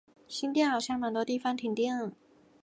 新店好像蛮多地方停电了